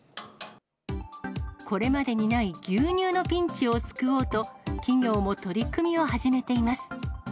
これまでにない牛乳のピンチを救おうと、企業も取り組みを始めています。